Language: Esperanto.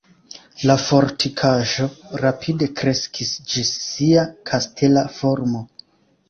La fortikaĵo rapide kreskis ĝis sia kastela formo.